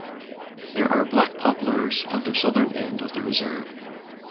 There are black poplars at the southern end of the reserve.